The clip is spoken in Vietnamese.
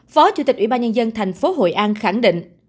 phó chủ tịch ủy ban nhân dân thành phố hội an khẳng định